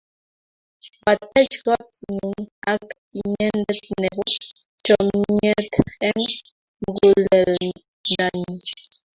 Kwatech kot nyun ak inyendet nepo chomyet eng' muguleldanyu.